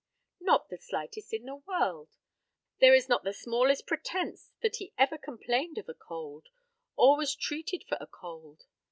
Not the slightest in the world. There is not the smallest pretence that he ever complained of a cold, or was treated for a cold.